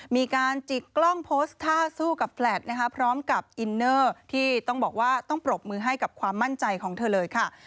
มีการจิกกล้องโพสต์ท่าสู้กับแฟลตนะคะพร้อมกับอินเนอร์ที่ต้องบอกว่าต้องปรบมือให้กับความมั่นใจของเธอเลยค่ะ